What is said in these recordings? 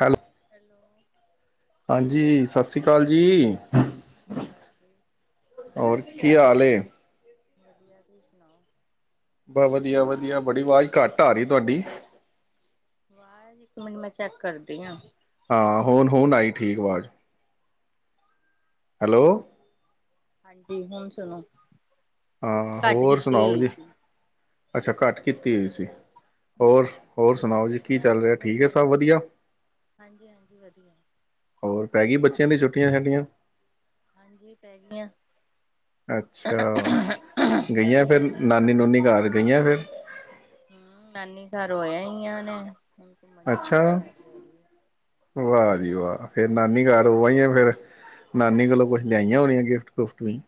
Hello hello ਹਾਂਜੀ ਸਤਿ ਸ੍ਰੀ ਅਕਾਲ ਜੀ ਸ਼੍ਰੀ ਅਕਾਲ ਜੀ ਹੋਰ ਕੀ ਹਾਲ ਐ ਵਧੀਆ ਤੁਸੀਂ ਸੁਣਾਓ ਬ ਵਧੀਆ ਵਧੀਆ ਬੜੀ ਆਵਾਜ਼ ਘੱਟ ਆ ਰਹੀ ਤੁਹਾਡੀ ਵਾਜ ਇੱਕ ਮਿੰਟ ਮੈਂ ਚੈੱਕ ਕਰਦੀ ਆ ਹਾਂ ਹੁਣ ਹੁਣ ਆਈ ਠੀਕ ਆਵਾਜ਼ ਹੈਲੋ ਹਾਂਜੀ ਹੁਣ ਸੁਣੋ ਹਾਂ ਘੱਟ ਹੋਰ ਕੀਤੀ ਸੁਣਾਓ ਹੋਈ ਜੀ ਸੀ ਅੱਛਾ ਘੱਟ ਕੀਤੀ ਹੋਈ ਸੀ ਹਮ ਹੋਰ ਹੋਰ ਸੁਣਾਓ ਜੀ ਕੀ ਚੱਲ ਰਿਹਾ ਠੀਕ ਹੈ ਸਭ ਵਧੀਆ ਹਾਂਜੀ ਹਾਂਜੀ ਵਧੀਆ ਹੋਰ ਪੈ ਗਈ ਬੱਚਿਆਂ ਦੀ ਛੁੱਟੀਆਂ ਛਾਟੀਆਂ ਹਾਂਜੀ ਪੈ ਗਈਆਂ ਅੱਛਾ ਪਿਯ੍ਯਾ ਫਿਰ ਹਮ ਨਾਨੀ ਘਰ ਹੋਇਆ ਹੀ ਆਨੇ ਅੱਛਾ ਵਾਹ ਜੀ ਵਾਹ ਫੇਰ ਨਾਨੀ ਘਰ ਆ ਹੀ ਆ ਫਿਰ ਨਾਨੀ ਕੋਲੋਂ ਕੁਛ ਲਿਆਈਆਂ ਹੋਣੀਆਂ ਗਿਫਟ ਗੁਫਟ ਵੀ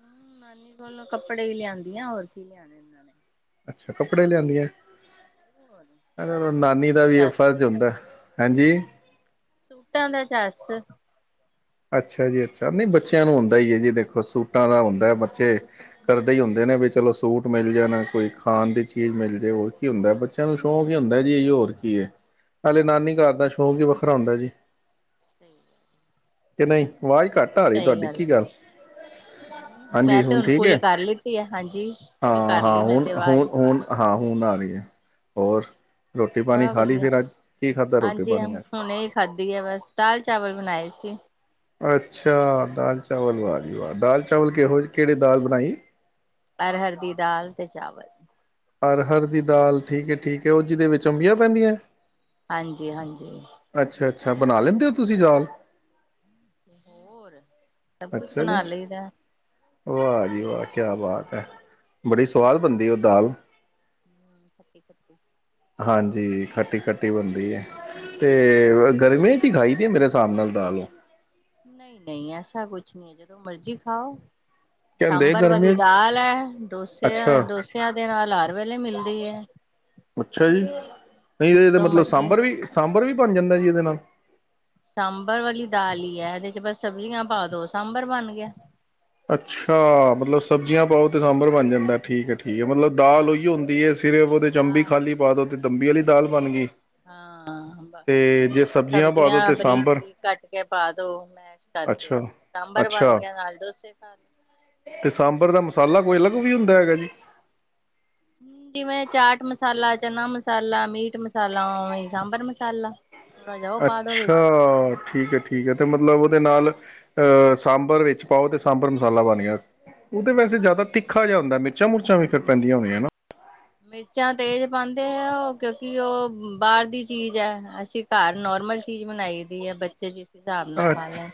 ਹਮ ਨਾਨੀ ਕੋਲੋਂ ਕੱਪੜੇ ਹੀ ਲਿਆਂਦੀਆਂ ਹੋਰ ਕੀ ਲਿਆਣੇ ਉਹਨਾਂ ਨੇ ਅੱਛਾ ਕੱਪੜੇ ਲਿਆਂਦੀਆਂ ਹੋਰ ਚ ਨਾਨੀ ਸੂਟਾਂ ਦਾ ਵੀ ਇਹ ਚੱਸ ਫ਼ਰਜ਼ ਹੁੰਦਾ ਹਾਂਜੀ ਸੂਟਾਂ ਦਾ ਚੱਸ ਅੱਛਾ ਜੀ ਅੱਛਾ ਨਹੀਂ ਬੱਚਿਆਂ ਨੂੰ ਹੁੰਦਾ ਹੀ ਹੈ ਜੀ ਦੇਖੋ ਸੂਟਾਂ ਦਾ ਹੁੰਦਾ ਬੱਚੇ ਕਰਦੇ ਹੀ ਹੁੰਦੇ ਨੇ ਵੀ ਚਲੋ ਸੂਟ ਮਿਲ ਜਾਣ ਕੋਈ ਖਾਣ ਦੀ ਚੀਜ਼ ਮਿਲ ਜਾਵੇ ਹੋ ਕੀ ਹੁੰਦਾ ਬੱਚਿਆਂ ਨੂੰ ਸ਼ੌਂਕ ਹੀ ਹੁੰਦਾ ਜੀ ਹੋਰ ਕੀ ਹੈ ਹੇ ਨਾਨੀ ਘਰ ਦਾ ਸ਼ੌਕ ਹੀ ਵ ਰ ਆਉਂਦਾ ਜੀ ਸਹੀ ਗੱਲ ਜ ਕੇ ਨਹੀਂ। ਆਵਾਜ਼ ਘੱਟ ਆ ਰਹੀ ਸਹੀ ਤੁਹਾਡੀ ਗੱਲ ਕੀ ਹੈ। ਹਾਂਜੀ ਮੈਂ ਤੇ ਹੁਣ ਠੀਕ ਫੁੱਲ ਹੈ ਕਰ ਲਿੱਤੀ ਹੈ। ਹਾਂਜੀ। ਫੁੱਲ ਹਾਂ, ਕਰ ਹਾਂ। ਲਈ ਮੈਂ ਹੁਣ ਤੇ ਹੁ ਆਵਾਜ਼ ਹੁਣ ਹਾਂ ਹੁਣ ਆ ਰਹੀ ਹੈ। ਹੋਰ। ਰੋਟੀ ਪਾਣੀ ਬਹ ਖਾ ਲਈ ਵਧੀਆ ਫਿਰ ਅੱਜ ਕੀ ਖਾਧਾ ਰੋਟੀ ਹਾਂਜੀ ਹਾਂ ਪਾਣੀ ਅੱਜ ਹੁਣੇ ਹੀ ਖਾਧੀ ਹੈ ਬਸ ਦਾਲ ਚਾਵਲ ਬਣਾਏ ਸੀ। ਅੱਛਾ ਦਾਲ ਚਾਵਲ ਵਾਲਾ ਜੀ ਦਾਲ ਚਾਵਲ ਕਿਹ ਜ ਕਿਹੜੀ ਦਾਲ ਬਣਾਈ। ਅਰਹਰ ਦੀ ਦਾਲ ਤੇ ਚਾਵਲ। ਅਰਹਰ ਦੀ ਦਾਲ ਠੀਕ ਹੈ ਠੀਕ ਹੈ, ਉਹ ਜਿਹਦੇ ਵਿੱਚ ਅੰਬੀਆਂ ਪੈਂਦੀਆਂ। ਹਾਂਜੀ ਹਾਂਜੀ ਅੱਛਾ ਅੱਛਾ ਬਣਾ ਲੈਂਦੇ ਹੋ ਤੁਸੀਂ ਜਾਲ। ਤੇ ਹੋਰ। ਸਭ ਕੁਛ ਅੱਛਾ ਜੀ ਬਣਾ ਲਈਦਾ ਵਾਹ ਜੀ ਜੋ ਵਾਹ ਕਿਆ ਮਰਜ਼ੀ ਬਾਤ ਬਣਵਾ ਹੈ। ਬੜੀ ਸਵਾਦ ਬਣਦੀ ਉਹ ਦਾਲ। ਖੱਟੀ ਖੱਟੀ ਹਾਂਜੀ ਖੱਟੀ ਖੱ ਖੱਟੀ ਬਣਦੀ ਹੈ। ਤੇ ਗਰਮੀਆਂ ਚ ਹੀ ਖਾਈ ਮੇਰੇ ਹਿਸਾਬ ਨਾਲ ਦਾਲ ਓ ਨਹੀਂ ਨਹੀਂ ਐਸਾ ਕੁਛ ਨਹੀਂ ਹੈ ਜਦੋਂ ਮਰਜ਼ੀ ਖਾਓ। ਕਹਿੰਦੇ ਸਾਂਬਰ ਵਾਲੀ ਗਰਮੀਆਂ 'ਚ ਦਾਲ ਹੈ ਅੱਛਾ ਡੋਸਿਆਂ ਡੋਸਿਆਂ ਦੇ ਨਾਲ। ਫਲਾਰ ਵੇਲੇ ਮਿਲਦੀ ਹੈ। ਅੱਛਾ ਜੀ ਨਹੀਂ ਇਹਦਾ ਜਦੋਂ ਮਤਲਬ ਮਰਜ਼ੀ ਸਾਂਬਰ ਵੀ, ਸਾਂਬਰ ਵੀ ਬਣ ਜਾਂਦਾ ਜੀ ਉਹਦੇ ਨਾਲ। ਸਾਂਬਰ ਵਾਲੀ ਦਾਲ ਹੀ ਆ ਇਹਦੇ ਚ ਬਸ ਸਬਜ਼ੀਆਂ ਪਾ ਦੋ ਸਾਂਬਰ ਬਣ ਗਿਆ। ਅੱਛਾ ਮਤਲਬ ਸਬਜ਼ੀਆਂ ਪਾਓ ਤੇ ਸਾਂਬਰ ਬਣ ਜਾਂਦਾ। ਠੀਕ ਹੈ ਠੀਕ ਹੈ ਮਤਲਬ ਦਾਲ ਓਹੀ ਹੁੰਦੀ ਹੈ ਫਿਰ ਉਹਦੇ ਅਮਬੀ ਦਾਲ ਖਾਲੀ ਪਾ ਦੋ। ਦੰਬੀ ਵਾਲੀ ਦਾਲ ਬਣ ਗਈ। ਹਾਂ ਬਸ ਤੇ ਜੇ ਹੋਰ ਪਾ ਦੋ ਸਬਜ਼ੀਆਂ ਤੇ ਬਰੀਕ ਸਾਂਬਰ ਬਰੀਕ ਕੱਟ ਕੇ ਪਾ ਦੋ ਮੈਸ਼ ਕਰਕੇ ਅੱਛਾ ਸਾਂਬਰ ਬਣ ਅੱਛਾ ਗਿਆ ਨਾਲ ਡੋਸੇ। ਖਾ ਲੋ। ਤੇ ਸਾਂਬਰ ਦਾ ਮਸਾਲਾ। ਅਲਗ ਅਲੱਗ ਵੀ ਹੁੰਦਾ ਹੈਗਾ ਜੀ। ਹਮ ਜਿਵੇਂ ਚਾਟ ਮਸਾਲਾ, ਚਨਾ ਮਸਾਲਾ, ਮੀਟ ਮਸਾਲਾ, ਉਵੇਂ ਸਾਂਬਰ ਮਸਾਲਾ ਜਾ ਉਹ ਪਾ ਦੋ ਵਿੱਚ ਅੱਛਾ ਠੀਕ ਹੈ ਠੀਕ ਹੈ ਤੇ ਮਤਲਬ ਦੇ ਨਾਲ ਅਹ ਸਾਂਬਰ ਵਿੱਚ ਪਾਓ ਤੇ ਸਾਂਬਰ ਮਸਾਲਾ ਬਣ ਗਿਆ ਉਹਦੇ ਵੈਸੇ ਹਾਂਜੀ ਜ਼ਿਆਦਾ ਹਾਂਜੀ। ਤਿੱਖਾ ਜਿਹਾ ਹੁੰਦਾ ਮਿੱ। ਮਿਰਚਾਂ ਮੁਰਚਾ ਵੀ ਫੇਰ ਪੈਂਦੀਆਂ ਹੋਣੀਆਂ ਹਨਾ। ਮਿਰਚਾਂ ਤੇਜ਼ ਪਾਉਂਦੇ ਹੈ ਉਹ ਕਿਉਂਕਿ ਉਹ ਬਾਹਰ ਦੀ ਚੀਜ਼ ਹੈ ਅਸੀਂ ਘਰ ਨੋਰਮਲ ਚੀਜ਼ ਬਣਾਈ ਦੀ ਹੈ ਬੱਚੇ ਜ ਹਿਸਾਬ ਨਾਲ ਨਾ ਖਾ ਅੱਛਾ ਲੈਣ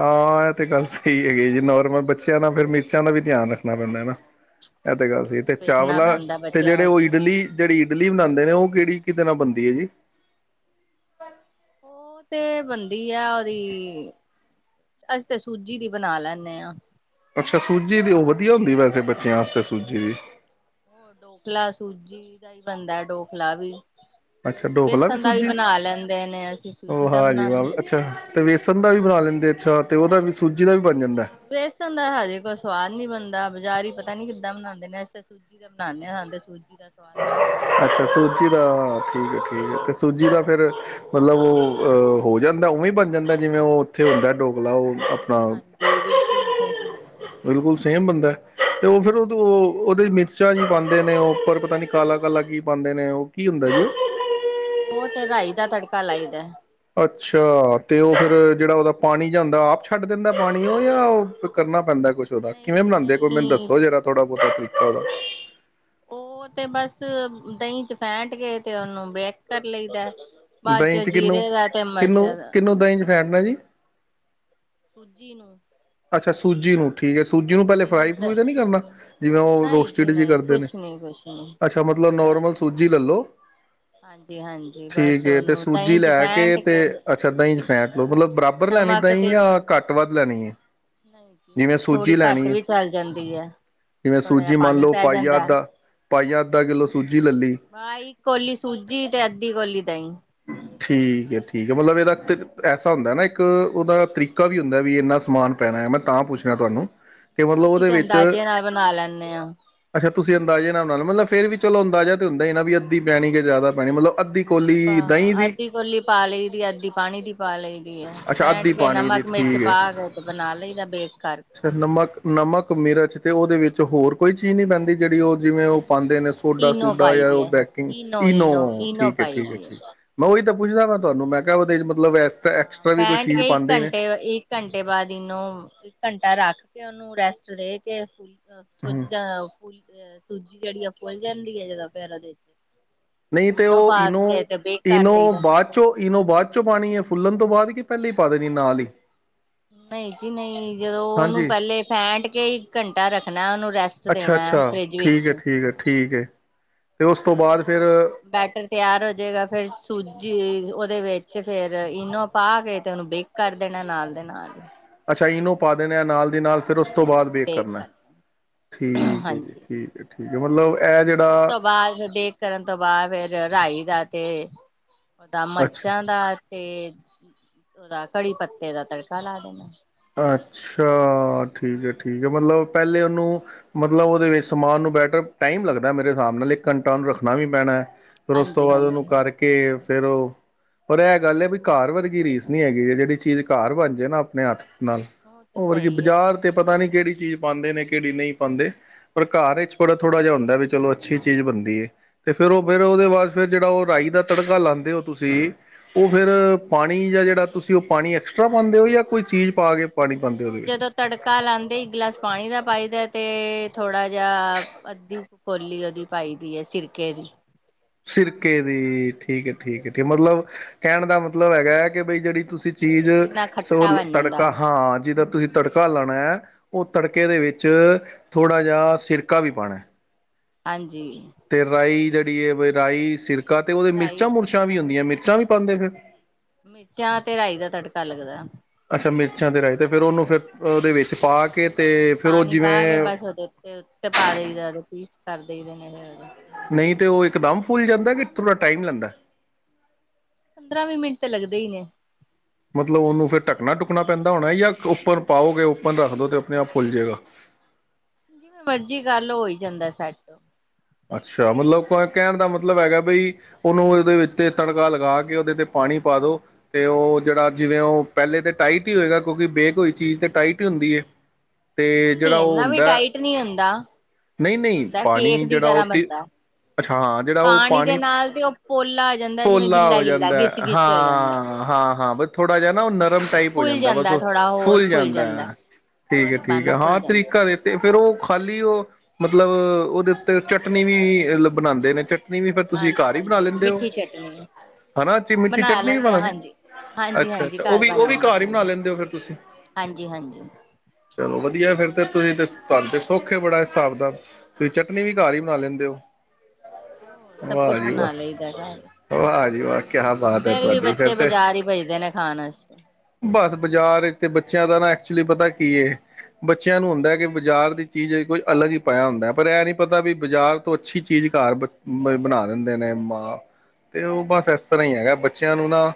ਹਾਂ ਇਹ ਤੇ ਗੱਲ ਸਹੀ ਹੈਗੀ ਜੀ ਨੋਰਮਲ ਬੱਚਿਆਂ ਦਾ ਫਿਰ ਮਿਰਚਾਂ ਦਾ ਵੀ ਧਿਆਨ ਰੱਖਣਾ ਪੈਂਦਾ ਹੈ ਨਾ ਇਹ ਤੇ ਗੱਲ ਸਭ ਸਹੀ ਕੁਛ ਤੇ ਵੇਖਣਾ ਚਾਵਲਾ ਪੈਂਦਾ ਤੇ ਬੱਚਿਆਂ ਜਿਹੜੇ ਉਹ ਵਾਸਤੇ ਇਡਲੀ ਜਿਹੜੀ ਇੱਡਲੀ ਬਣਾਉਂਦੇ ਨੇ ਉਹ ਕਿਹੜੀ ਕਿਤੇ ਨਾਲ ਬਣਦੀ ਹੈ ਜੀ ਉਹ ਤੇ ਬਣਦੀ ਆ ਉਹਦੀ ਅਸੀਂ ਤੇ ਸੂਜੀ ਦੀ ਬਣਾ ਲੈਂਦੇ ਹਾਂ ਅੱਛਾ ਸੂਜੀ ਦੀ ਉਹ ਵਧੀਆ ਹੁੰਦੀ ਵੈਸੇ ਬੱਚਿਆਂ ਵਾਸਤੇ ਸੂਜੀ ਦੀ ਹੋਰ ਡੋਕਲਾ ਸੂਜੀ ਦਾ ਹੀ ਬਣਦਾ ਡੋਕਲਾ ਵੀ ਅੱਛਾ ਡੋਕਲਾ ਵੀ ਬੇਸਣ ਦਾ ਸੂਜੀ ਬਣਾ ਲੈਂਦੇ ਨੇ ਅਸੀਂ ਉਹ ਸੂਜੀ ਦਾ ਹਜੀ ਬਣਾਉਦੇ ਹਾਂ ਅੱਛਾ ਤੇ ਵੇਸਣ ਦਾ ਵੀ ਬਣਾ ਲੈਂਦੇ ਅੱਛਾ ਤੇ ਉਹਦਾ ਵੀ ਸੂਜੀ ਦਾ ਵੀ ਬਣ ਜਾਂਦਾ ਵੇਸਣ ਦਾ ਹਜੇ ਕੋਈ ਸਵਾਦ ਨੀ ਬਣਦਾ ਬੰਦਾ ਬਜ਼ਾਰੀ ਪਤਾ ਨੀ ਕਿੱਦਾਂ ਬਣਾਉਂਦੇ ਨੇ ਅਸੀਂ ਤਾ ਸੂਜੀ ਦਾ ਬਣਾਉਂਦੇ ਹਾਂ ਸਾਨੂੰ ਤਾ ਸੂਜੀ ਦਾ ਸਵਾਦ ਲੱਗਦਾ ਅੱਛਾ ਸੂਜੀ ਦਾ ਠੀਕ ਹੈ ਠੀਕ ਹੈ ਅਤੇ ਸੂਜੀ ਦਾ ਫਿਰ ਮਤਲਬ ਉਹ ਹੋ ਜਾਂਦਾ ਉਵੇਂ ਬਣ ਜਾਂਦਾ ਜਿਵੇਂ ਉਹ ਉੱਥੇ ਹੁੰਦਾ ਡੋ ਭਲਾ ਉਹ ਹਾਂਜੀ ਆਪਣਾ ਹਾਂਜੀ ਬਿਲਕੁਲ ਸਹੀ ਬੰਦਾ ਬਿਲਕੁਲ ਸੇਮ ਬੰਦਾ ਤੇ ਉਹ ਫਿਰ ਉਹ ਹਾਂਜੀ ਹਾਂਜੀ ਉਹਦੇ ਚ ਮਿਰਚਾਂ ਜੀ ਪਾਉਂਦੇ ਨੇ ਉਹ ਉੱਪਰ ਪਤਾ ਨੀ ਕਾਲਾ ਕਾਲਾ ਕੀ ਪਾਉਂਦੇ ਨੇ ਉਹ ਕੀ ਹੁੰਦਾ ਜੀ ਉਹ ਤੇ ਰਾਈ ਦਾ ਤੜਕਾ ਲਾਈ ਦਾ ਅੱਛਾ ਤੇ ਉਹ ਜਿਹੜਾ ਉਹਦਾ ਪਾਣੀ ਜਾਂ ਹੁੰਦਾ ਆਪ ਛੱਡ ਦਿੰਦਾ ਪਾਣੀ ਉਹ ਜਾਂ ਉਹ ਕਰਨਾ ਪੈਂਦਾ ਕੁਛ ਉਹਦਾ ਨਹੀਂ ਕਿਵੇਂ ਜੀ ਬਣਾਉਂਦੇ ਕੋਈ ਮੈਨੂੰ ਨਹੀਂ ਦੱਸੋ ਜਰਾ ਥੋੜਾ ਬਹੁਤਾ ਤਰੀਕਾ ਉਹਦਾ ਉਹ ਤੇ ਬਸ ਦਹੀਂ ਚ ਫੈਂਟ ਕੇ ਤੇ ਉਹਨੂੰ ਬੇਕ ਕਰ ਲਈਦਾ ਬਾਅਦ ਦਹੀਂ ਚੋਂ ਵਿੱਚ ਕਿਨੂੰ ਜੀਰੇ ਦਾ ਤੇ ਕਿਨੂੰ ਮਿਰਚਾਂ ਦਾ ਕਿਨੂੰ ਦਹੀਂ ਚ ਫੈਂਟਣਾ ਜੀ ਸੂਜੀ ਨੂੰ ਅੱਛਾ ਸੂਜੀ ਨੂੰ ਠੀਕ ਹੈ ਸੂਜੀ ਨੂੰ ਪਹਿਲੇ ਫਰਾਈ ਫਰੂਈ ਤਾਂ ਨਹੀਂ ਕਰਨਾ ਜਿਵੇਂ ਉਹ ਨਹੀਂ ਜੀ ਰੋਸਟਿਡ ਜਿ ਨਹੀਂ ਕਰਦੇ ਨੇ ਕੁਛ ਨੀ ਕੁਛ ਨੀ ਅੱਛਾ ਮਤਲਬ ਨੋਰਮਲ ਵੈਸੇ ਸੂਜੀ ਲੈਲੋ ਹਾਂਜੀ ਹਾਂਜੀ ਬਸ ਠੀਕ ਹੈ ਤੇ ਉਹਨੂੰ ਸੂਜੀ ਦਹੀਂ ਚ ਲੈ ਕੇ ਫੈਂਟ ਤੇ ਅੱਛਾ ਦਹੀਂ ਚ ਫੈਂਟ ਲਓ ਮਤਲਬ ਬਰਾਬਰ ਲੈਣੀ ਨਮਕ ਦਹੀਂ ਤੇ ਜਾਂ ਘੱਟ ਵੱਧ ਲੈਣੀ ਨਹੀਂ ਜਿਵੇਂ ਨਹੀਂ ਥੋੜ੍ਹੀ ਸੂਜੀ ਘੱਟ ਲੈਣੀ ਹੈ ਵੀ ਚੱਲ ਜਾਂਦੀ ਹੈ ਜਿਵੇਂ ਥੋੜ੍ਹਾ ਜਿਹਾ ਸੂਜੀ ਮੰਨ ਪਾਣੀ ਲਓ ਪੈ ਪਾਈਆ ਜਾਂਦਾ ਅੱਧਾ ਪਾਈਆ ਅੱਧਾ ਕਿੱਲੋ ਹਮ ਸੂਜੀ ਲੈ ਲਈ ਬੱਸ ਇਕ ਕੋਲੀ ਸੂਜੀ ਤੇ ਅੱਧੀ ਕੋਲੀ ਦਹੀਂ ਠੀਕ ਹੈ ਠੀਕ ਹੈ ਮਤਲਬ ਇਹਦਾ ਐਸਾ ਹੁੰਦਾ ਨਾ ਇੱਕ ਉਹਦਾ ਤਰੀਕਾ ਵੀ ਹੁੰਦਾ ਵੀ ਇੰਨਾ ਸਮਾਨ ਪੈਣਾ ਹੈ ਮੈਂ ਤਾਂ ਪੁੱਛਣਾ ਤੁਹਾਨੂੰ ਕਿ ਮਤਲਬ ਅਸੀਂ ਉਹਦੇ ਤੇ ਵਿੱਚ ਅੰਦਾਜ਼ੇ ਨਾਲ ਬਣਾ ਲੈਂਦੇ ਹਾਂ। ਅੱਛਾ ਤੁਸੀਂ ਅੰਦਾਜ਼ੇ ਨਾਲ ਮਤਲਬ ਫੇਰ ਵੀ ਚਲੋ ਅੰਦਾਜ਼ਾ ਤੇ ਹੁੰਦਾ ਨਾ ਵੀ ਅੱਧ ਪੈਣੀ ਕਿ ਜ਼ਿਆਦਾ ਪੈਣੀ ਮਤਲਬ ਅੱਧੀ ਕੋਲੀ ਦਹੀਂ ਹਾਂ ਦੀ ਅੱਧੀ ਕਲੀ ਪਾ ਲਈ ਦੀ ਅੱਧੀ ਪਾਣੀ ਦੀ ਪਾ ਲਈ ਦੀ ਹੈ ਅੱਛਾ ਫੈਂਟ ਅੱਧੀ ਕੇ ਪਾਣੀ ਦੀ ਨਮਕ ਮਿਰਚ ਠੀਕ ਹੈ ਪਾ ਕੇ ਤੇ ਬਣਾ ਲਈ ਦਾ ਬੇਕ ਕਰਕੇ ਅੱਛਾ ਚ ਹੋਰ ਕੋਈ ਚੀਜ਼ ਨਹੀਂ ਪੈਂਦੀ ਜਿਹੜੀ ਉਹ ਜਿਵੇਂ ਉਹ ਪਾਉਂਦੇ ਨੇ ਸੋਡਾ ਸੋਡਾ ਜਾਂ ਉਹ ਬੈਕਿੰਗ ਇਨੋ ਠੀਕ ਹੈ ਠੀਕ ਹੈ ਠੀਕ ਉਹੀ ਤਾਂ ਪੁੱਛਦਾ ਮੈਂ ਤੁਹਾਨੂੰ ਮੈਂ ਕਿਹਾ ਮਤਲਬ ਐਕਸਟਰਾ ਹਾਂ ਐਕਸਟਰਾ ਵੀ ਕੋਈ ਫੈਂਟ ਚੀਜ਼ ਕੇ ਇੱਕ ਪਾਉਂਦੇ ਹੀ ਘੰਟੇ ਨੇ ਇੱਕ ਘੰਟੇ ਬਾਅਦ ਇਹਨੂੰ ਇੱਕ ਘੰਟਾ ਰੱਖ ਕੇ ਉਹਨੂੰ ਰੈਸਟ ਦੇ ਕੇ ਫੁ ਅ ਸੋਜ ਜਾਂ ਫੂਲ ਅ ਸੂਜੀ ਜਿਹੜੀ ਆ ਭੁੱਲ ਜਾਂਦੀ ਹੈ, ਜਦੋਂ ਫੈਰ ਐਦੇ ਚ ਨਹੀਂ ਤੇ ਉਹ ਪਾ ਇਨੋ, ਕੇ ਤੇ ਬੇਕ ਕਰ ਇਨੋ ਦਈਦਾ ਬਾਅਦ ਚੋਂ, ਇਨੋ ਬਾਅਦ ਚੋਂ ਪਾਣੀ ਹੈ। ਭੁੱਲਣ ਤੋਂ ਬਾਅਦ, ਕਿ ਪਹਿਲੇ ਹੀ ਪਾ ਦੇਣੀ ਨਾਲ ਹੀ। ਨਹੀਂ ਜੀ ਨਹੀਂ ਜਦੋਂ ਉਹਨੂੰ ਹਾਂਜੀ ਪਹਿਲੇ ਫੈਂਟ ਕੇ, ਇਕ ਘੰਟਾ ਰੱਖਣਾ ਉਹਨੂੰ। ਰੈਸਟ ਅੱਛਾ ਦੇਣਾ ਅੱਛਾ ਫਰਿੱਜ ਠੀਕ ਵਿੱਚ ਹੈ, ਠੀਕ ਹੈ, ਠੀਕ ਹੈ। ਤੇ ਉਸ ਤੋਂ ਫੇਰ ਬਾਅਦ ਫਿਰ ਉਹ ਬੈਟਰ ਤਿਆਰ ਹੋ ਜਾਏਗਾ, ਫੇਰ ਸੂਜੀ ਜੀ ਉਹਦੇ ਵਿੱਚ ਫੇਰ ਇਨੋ ਪਾ ਕੇ, ਤੇ ਉਹਨੂੰ ਬੇਕ ਕਰ ਦੇਣਾ, ਨਾਲ ਦੇ ਨਾਲ। ਅੱਛਾ ਇਨੂੰ ਪਾ ਦੇਣੇ ਐ, ਨਾਲ ਦੀ ਨਾਲ, ਫ਼ਿਰ ਉਸ ਤੋਂ ਬਾਅਦ ਬੇਕ ਕਰਨਾ ਐ, ਕਰ ਦੇਣਾ ਠੀਕ ਹੈ ਜੀ, ਹਾਂਜੀ। ਠੀਕ ਹੈ ਠੀਕ ਹੈ, ਮਤਲਬ ਇਹ ਉਸ ਜਿਹੜਾ ਤੋਂ ਬਾਅਦ ਫਿਰ ਬੈਕ ਕਰਨ ਤੋਂ ਬਾਅਦ, ਫੇਰ ਰਾਈ ਦਾ ਤੇ ਉਹਦਾ ਅੱਛਾ ਮਿਰਚਾਂ ਦਾ ਤੇ ਔਦਾ, ਕੜੀ ਪੱਤੇ ਦਾ ਤੜਕਾ ਲਾ ਦੇਣਾ। ਅੱਛਾ, ਠੀਕ ਹੈ, ਠੀਕ ਹੈ, ਮਤਲਬ ਪਹਿਲੇ ਉਹਨੂੰ ਮਤਲਬ ਉਹਦੇ ਵਿੱਚ ਸਮਾਨ ਨੂੰ ਬੈਟਰ, ਟਾਈਮ ਲੱਗਦਾ ਮੇਰੇ ਹਿਸਾਬ ਨਾਲ ਇੱਕ ਘੰਟਾ ਉਹਨੂੰ ਰੱਖਣਾ ਵੀ ਪੈਣਾ। ਫਿਰ ਉਸ ਤੋਂ ਹਾਂਜੀ ਬਾਅਦ ਉਹਨੂੰ ਹਾਂਜੀ। ਕਰਕੇ ਫੇਰ ਉਹ ਪਰ ਇਹ ਗੱਲ ਹੈ, ਵੀ ਕਾਰਰ ਵਰਗੀ ਰੀਸ ਨਹੀਂ ਹੈਗੀ ਜੇ, ਜਿਹੜੀ ਚੀਜ਼ ਕਾਰਰ ਬਣ ਜਾਏ ਨਾ ਆਪਣੇ ਹੱਥ ਨਾਲ ਤੇ ਉਹ ਵਰਗੀ ਸਹੀ ਹੈ ਬਾਜ਼ਾਰ ਤੇ ਪਤਾ ਨੀ ਕਿਹੜੀ ਚੀਜ਼ ਪਾਉਂਦੇ ਨੇ ਕੇੜੀ ਨਹੀਂ ਪਾਉਦੇ। ਪਰ ਘਰ ਵਿੱਚ ਬੜਾ ਥੋੜਾ ਜਿਹਾ ਹੁੰਦਾ, ਵਿੱਚ ਚਲੋ ਅੱਛੀ ਚੀਜ਼ ਬਣਦੀ ਹੈ, ਅਤੇ ਫਿਰ ਉਹ ਫਿਰ ਉਹਦੇ ਬਾਅਦ ਫਿਰ ਜਿਹੜਾ ਉਹ ਰਾਈ ਦਾ ਤੜਕਾ ਲਾਉਦੇ ਹੋ ਤੁਸੀਂ, ਉਹ ਫਿਰ ਪਾਣੀ ਜਾਂ ਜਿਹੜਾ ਤੁਸੀਂ ਉਹ ਪਾਣੀ ਐਕਸਟਰਾ ਪਾਉਂਦੇ ਹੋ ਜਾਂ ਕੋਈ ਚੀਜ਼ ਪਾ ਕੇ ਪਾਣੀ ਨਹੀਂ ਪਾਂਦੇ ਹੋ ਉਹ ਉਹਦੇ ਵਿੱਚ ਜਦੋਂ ਤੜਕਾ ਲਾਦੇ ਇੱਕ ਗਲਾਸ ਪਾਣੀ ਦਾ ਪਾਈ ਦਾ ਤੇ ਥੋੜ੍ਹਾ ਜਿ ਅੱਧੀ ਕੋਲੀ ਉਹਦੀ ਪਾਈ ਦੀ ਹੈ, ਸਿਰਕੇ ਦੀ ਸਿਰਕੇ ਦੀ, ਠੀਕ ਹੈ, ਠੀਕ ਹੈ, ਠੀਕ ਮਤਲਬ ਕਹਿਣ ਦਾ ਮਤਲਬ ਹੈਗਾ ਹੈ ਕਿ ਬਈ ਜਿਹੜੀ ਤੁਸੀਂ ਚੀਜ਼ ਜਿੰਨਾ ਸੋ ਖੱਟਾ ਬਣ ਜਾਂਦਾ ਤੜਕਾ ਉਹ ਹਾਂ ਜਿਦਾ ਤੁਸੀਂ ਤੜਕਾ ਲਾਉਣਾ ਹੈ, ਔ ਤੜਕੇ ਦੇ ਵਿੱਚ ਥੋੜ੍ਹਾ ਜਿਹਾ ਸਿਰਕਾ ਵੀ ਪਾਉਣਾ। ਹਾਂਜੀ ਤੇ ਰਾਈ ਜਿਹੜੀ ਹੈ, ਰਾਈ ਸਿਰ ਤਾਂ ਤੇ ਉਹਦੇ ਮਿਰਾਂ ਰਾਈ ਮੁਿਰਚਾਂ ਵੀ ਹੁੰਦੀਆਂ, ਮਿਰ ਤਾਂ ਵੀ ਪਾਉਂਦੇ ਫਿਰ ਮਿਰਚਾਂ ਤੇ ਰਾਈ ਦਾ ਤੜਕਾ ਲੱਗਦਾ ਐ। ਅੱਛਾ ਮਿਰਚਾਂ ਤੇ ਰਾਈ ਤੇ ਫਿਰ ਉਹਨੂੰ ਫਿਰ ਉਹਦੇ ਵਿੱਚ ਪਾ ਕੇ ਤੇ ਫਿਰ ਉਹ ਪਾਣੀ ਪਾ ਕੇ ਜਿਵੇਂ ਬਸ ਉਹਦੇ ਉਤੇ ਉਤੇ ਪਾ ਦੇਈ ਦਾ ਸਰਦੇ ਨੇੇ ਹੀ ਨਹੀ ਅਦੇ ਅੜੇ ਨਹੀਂ ਤਾਂ ਉਹ ਇਕ ਦਮ ਫੁੱਲ ਜਾਂਦਾ, ਕਿ ਥੋੜ੍ਹਾ ਟਾਈਮ ਲੈਂਦਾ ਪੰਦਰਾਂ ਵੀ ਮਿੰਟ ਤੇ ਲੱਗਦੇ ਹੀ ਨੇ। ਮਤਲਬ ਉਹਨੂੰ ਫਿਰ ਢਕਣਾ ਢੁੱਕਣਾ ਪੈਂਦਾ ਹੋਣਾ ਜਾਂ ਉੱਪਰ ਪਾਓਗੇ। ਉੱਪਰ ਰੱਖ ਦੋ ਤੇ ਆਪਣੇ ਆਪ ਫੁਲ ਜਾਏਗਾ। ਜਿਵੇਂ ਮਰਜੀ ਕੱਲ ਹੋ ਹੀ ਜਾਂਦਾ ਸੈੱਟ ਅੱਛਾ ਮਤਲਬ ਕਹਿਣ ਦਾ ਮਤਲਬ ਹੈਗਾ ਬਈ ਉਹਨੂੰ ਉਹਦੇ ਵਿੱਚਤੇ ਤੜਕਾ ਲਗਾ ਕੇ ਉਹਦੇ ਤੇ ਪਾਣੀ ਪਾ ਦੋ ਤੇ ਉਹ ਜਿਹੜਾ ਜਿਵੇਂ ਉਹ ਪਹਿਲੇ ਤਾਂ ਟਾਈਟ ਹੀ ਹੋਏਗਾ ਕਿਉਂਕਿ ਬੇਕ ਹੋਈ ਚੀਜ਼ ਤੇ ਟਾਈਟ ਹੀ ਹੁੰਦੀ ਏ। ਨਹੀਂ -ਨਹੀਂ ਇੰਨਾ ਵੀ ਟਾਈਟ ਨਹੀਂ ਹੁੰਦਾ। ਨਹੀਂ ਠੀਕ -ਨਹੀਂ ਹੁੰਦਾ ਕੇਕ ਪਾਣੀ ਦੀ ਜਿਹੜਾ ਉਹ ਤਰ੍ਹਾਂ ਤੇ ਬਣਦਾ ਅੱਛਾ ਹਾਂ ਜਿਹੜਾ ਉਹ ਦੇ ਪਾਣੀ ਨਾਲ ਤੇ ਉਹ ਪੋਲਾ ਆ ਜਾਂਦਾ ਜਿਵੇਂ ਪੋਲਾ ਗਿੱਲਾ ਹੋ ਗਿੱਲਾ ਜਾਂਦਾ ਗਿੱਚ ਐ ਗਿੱਚ ਹੋ ਜਾਂਦਾ ਹਾਂ। ਹਾਂ ਬਸ ਥੋੜਾ ਜਿ ਨਾ ਉਹ ਗ ਟਾਈਪ ਹੋ ਜਾਂਦਾ ਬਸ ਉਹ ਫੁੱਲ ਜਾਂਦਾ ਹੈ ਠੀਕ ਹੈ ਪਾਣੀ ਠੀਕ ਪਾਣਾ ਹੈ ਹਾਂ ਫੁੱਲ ਜਾਂਦਾ ਤਰੀਕਾ ਦੇਤੇ ਫ਼ਿਰ ਉਹ ਖਾਲੀ ਉਹ ਮਤਲਬ ਉਹਦੇ ਉੱਤੇ ਚਟਨੀ ਵੀ ਬਣਾਂਦੇ ਨੇ 'ਚ ਚਟਨੀ ਵੀ ਫਿਰ ਤੁਸੀਂ ਹਾਂਜੀ ਘਰ ਹੀ ਬਣਾ ਹਾਂਜੀ ਲੈਂਦੇ ਹੋ ਮਿੱਠੀ ਚਟਨੀ ਹਨਾ, ਮਿੱਠੀ ਚਟਨੀ ਵੀ ਲੈਂਦੇ ਹਾਂ ਬਣਾ ਦੀ ਹਾਂਜੀ ਹਾਂਜੀ ਅੱਛਾ ਹਾਂਜੀ ਅੱਛਾ ਉਹ ਘਰ ਵੀ ਉਹ ਬਣ ਵੀ ਜਾਂਦੀ ਘਰ ਹੀ ਆ ਬਣਾ ਲੈਂਦੇ ਹੋ ਫਿਰ ਤੁਸੀਂ ਹਾਂਜੀ ਹਾਂਜੀ ਚਲੋ ਵਧੀਆ ਫਿਰ ਤੇ ਤੁਸੀਂ ਤੁਹਾਨੂੰ ਤੇ ਸੁਖ ਏ ਬੜਾ ਹਿਸਾਬ ਦਾ ਤੁਸੀਂ ਚਟਨੀ ਵੀ ਘਰ ਹੀ ਬਣਾ ਲੈਂਦੇ ਹੋ। ਹੋਰ ਸਭ ਵਾਹ ਕੁਛ ਜੀ ਬਣਾ ਵਾਹ ਲਈਦਾ ਘਰ [unintelligible] ਕਿਆ ਬਾਤ ਹੈ ਫੇਰ ਵੀ ਤੁਹਾਡੀ ਫਿਰ ਬੱਚੇ ਤੇ ਬਾਜ਼ਾਰ ਹੀ ਭੇਜਦੇ ਨੇ ਖਾਣ ਵਾਸਤੇ ਬਸ ਬਾਜ਼ਾਰ ਤੇ ਬੱਚਿਆਂ ਦਾ ਨਾ ਐਕਚੁਲੀ ਪਤਾ ਕੀ ਬੱਚਿਆਂ ਨੂੰ ਹੁੰਦਾ ਕਿ ਬਜ਼ਾਰ ਦੀ ਚੀਜ਼ ਕੋਈ ਅਲੱਗ ਹੀ ਪਾਇਆ ਹੁੰਦਾ ਪਰ ਇਹ ਨੀ ਪਤਾ ਵੀ ਬਾਜ਼ਾਰ ਤੋਂ ਅੱਛੀ ਚੀਜ਼ ਘਰ ਬਣਾ ਦਿੰਦੇ ਨੇ ਮਾਂ ਤੇ ਉਹ ਬਸ ਇਸ ਤਰ੍ਹਾਂ ਹੀ ਹੈਗਾ ਬੱਚਿਆਂ ਨੂੰ ਨਾ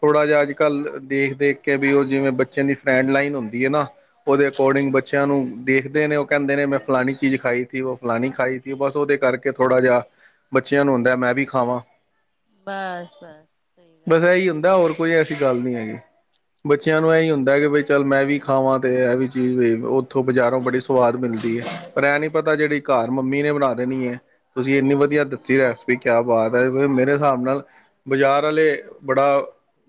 ਥੋੜ੍ਹਾ ਜਿਹਾ ਅੱਜ ਕੱਲ੍ਹ ਦੇਖ ਦੇਖ ਕੇ ਵੀ ਉਹ ਜਿਵੇਂ ਬੱਚਿਆਂ ਦੀ ਫਰੈਂਡ ਲਾਈਨ ਹੁੰਦੀ ਹੈ ਨਾ ਉਹਦੇ ਅਕੋਰਡਿੰਗ ਬੱਚਿਆਂ ਨੂੰ ਦੇਖਦੇ ਨੇ ਉਹ ਕਹਿੰਦੇ ਨੇ ਮੈਂ ਫਲਣੀ ਚੀਜ਼ ਖਾਈ ਸੀ, ਉਹ ਫਲਾਣੀ ਖਾਈ ਤੀ ਬਸ ਉਹਦੇ ਕਰਕੇ ਥੋੜ੍ਹਾ ਜਿਹਾ ਬੱਚਿਆਂ ਨੂੰ ਹੁੰਦਾ ਮੈਂ ਵੀ ਖਾਵਾਂ ਬਸ ਬਸ ਸਹੀ ਗੱਲ ਆ। ਅ ਗੱਲ ਨੀ ਹੈਗੀ ਬੱਚਿਆਂ ਨੂੰ ਇਹੀ ਹੁੰਦਾ ਕਿ ਬਈ ਚੱਲ ਮੈਂ ਵੀ ਖਾਵਾਂ ਤੇ ਇਹ ਵੀ ਚੀਜ਼ ਉੱਥੋਂ ਬਜ਼ਾਰੋਂ ਬੜੀ ਸਵਾਦ ਮਿਲਦੀ ਹੈ। ਪਰ ਐ ਨੀ ਪਤਾ ਜਿਹੜੀ ਘਰ ਮੰਮੀ ਨੇ ਬਣਾ ਦੇਣੀ ਏ। ਤੁਸੀਂ ਇੰਨੀ ਵਧੀਆ ਦੱਸੀ ਹਮ ਰੈਸਪੀ ਕਿਆ ਬਾਤ ਮੇਰੇ ਹਿਸਾਬ ਨਾਲ ਬਾਜ਼ਾਰ ਵਾਲੇ ਬੜਾ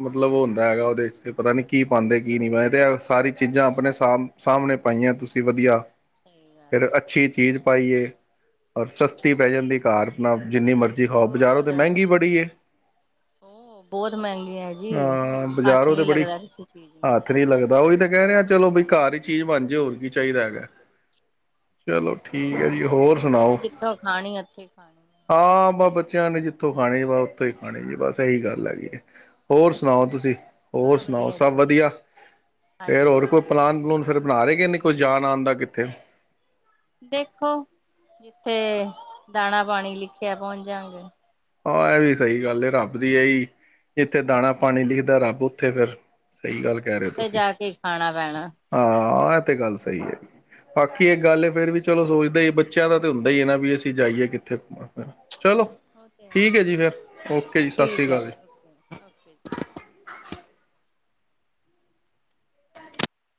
ਮਤਲਬ ਉਹ ਹੁੰਦਾ ਹੈਗਾ ਉਹਦੇ ਵਿੱਚ ਤੇ ਪਤਾ ਨੀ ਕੀ ਪਾਉਂਦੇ ਕੀ ਨਹੀਂ ਹਮ ਪਾਉਂਦੇ ਤੇ ਸਾਰੀ ਚੀਜ਼ਾਂ ਆਪਣੇ ਸਮ ਸਾਹਮਣੇ ਪਾਈਆਂ ਤੁਸੀਂ ਵਧੀਆ ਸਹੀ ਗੱਲ ਫਿਰ ਹੈ ਅੱਛੀ ਚੀਜ਼ ਪਾਈਏ ਔਰ ਸਸਤੀ ਪੈ ਜਾਂਦੀ ਘਰ [inaudible] ਜਿੰਨੀ ਮਰਜ਼ੀ ਤੇ ਖਾਓ ਬਾਜ਼ਾਰੋਂ ਹੋਰ ਤੇ ਮਹਿੰਗੀ ਬੜੀ ਏ, ਉਹ ਬਹੁਤ ਮਹਿੰਗੀ ਹੈ ਜੀ ਆ ਹੱਥ ਬਾਜ਼ਾਰੋਂ ਤੇ ਨੀ ਬੜੀ ਲੱਗਦਾ ਕਿਸੇ ਚੀਜ਼ ਨੂੰ ਹੱਥ ਨੀ ਲੱਗਦਾ ਉਹੀ ਕਹਿ ਰਿਹਾ ਚਲੋ ਬਈ ਘਾਰ ਹੀ ਚੀਜ਼ ਬਣ ਜੇ ਹੋਰ ਕੀ ਚਾਹੀਦਾ ਹੇਗਾ। ਚਲੋ। ਠੀਕ ਹੈ ਜੀ ਹੋਰ ਬੱਚਿਆਂ ਸੁਣਾਓ, ਨੇ ਜਿੱਥੋਂ ਖਾਣੀ ਉੱਥੇ ਖਾਣੀ ਹਾਂ ਬਾਬਾ ਬੱਚਿਆਂ ਨੇ ਜਿੱਥੋਂ ਖਾਣੀ ਵਾ ਉੱਥੋਂ ਹੀ ਖਾਣੀ ਜੀ ਬਸ ਇਹੀ ਗੱਲ ਹੈਗੀ ਹੈ। ਹੋਰ ਸੁਣਾਓ ਮਰਜ਼ੀ ਤੁਸੀਂ ਕਰਨੀ ਹੋਰ ਵਾਹ ਸੁਣਾਓ ਵਧੀਆ ਜੀ ਸਭ ਵਧੀਆ ਫੇਰ ਹਾਂਜੀ ਹੋਰ ਹਾਂਜੀ ਕੋਈ ਪਲਾਨ ਪਲੂਨ ਫਿਰ ਬਣਾ ਰੇ ਕਿ ਨੀ ਕੁਛ ਜਾਣ ਆਣ ਦਾ ਕਿੱਥੇ? ਦੇਖੋ, ਜਿੱਥੇ ਦਾਣਾ ਪਾਣੀ ਲਿਖਿਆ ਪਹੁੰਚ ਜਾਂ ਗੇ। ਆ ਐਹ ਵੀ ਸਹੀ ਗੱਲ ਐ, ਰੱਬ ਦੀ ਏ ਈ। ਜਿੱਥੇ ਦਾਣਾ ਪਾਣੀ ਲਿਖਦਾ ਰੱਬ, ਉੱਥੇ ਫਿਰ, ਸਹੀ ਗੱਲ ਕਹਿ ਰਹੇ ਹੋ ਥੇ ਤੁਸੀਂ ਜਾ ਕੇ ਖਾਣਾ ਪੈਣਾ। ਹਾਂ ਐਹ ਤੇ ਗੱਲ ਸਹੀ ਐ। ਬਾਕੀ ਇੱਕ ਗੱਲ ਫੇਰ ਵੀ ਚਲੋ ਸੋਚਦਾ ਈ ਬੱਚਿਆਂ ਦਾ ਤੇ ਹੁੰਦਾ ਈ ਨਾ ਵੀ ਅਸੀਂ, ਜਾਈਏ ਕਿੱਥੇ ਘੁੰਮਣ ਫਿਰਨ। ਚਲੋ ਉਹ ਤੇ ਠੀਕ ਐ ਜੀ ਹੈ। ਫਿਰ। ਓਕੇ ਜੀ, ਸ ਸ੍ਰੀ ਠੀਕ ਹੈ ਕਾਲ ਜੀ। ਓਕੇ ਓਕੇ ਜੀ